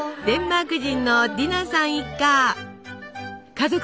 デンマーク人のディナさん一家。